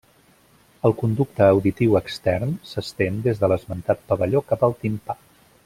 El conducte auditiu extern s'estén des de l'esmentat pavelló cap al timpà.